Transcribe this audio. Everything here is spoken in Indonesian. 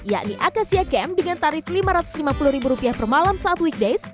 yakni akasia camp dengan tarif lima ratus lima puluh ribu rupiah per malam saat weekdays